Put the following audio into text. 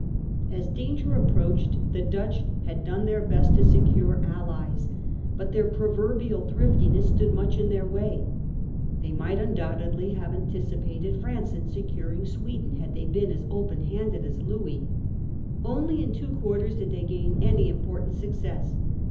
As danger approached, the Dutch had done their best to secure allies. But their proverbial thriftiness stood much in their way. They might undoubtedly have anticipated France in securing Sweden had they been as open handed as Louis. Only in two quarters did they • gain any important success.